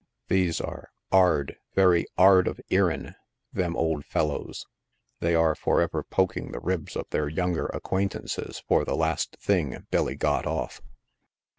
These are " 'ard, very 'ard of 'earin, them old fellows" — they are forever poking the ribs of their younger acquaintances for the last " thing" Billy got off.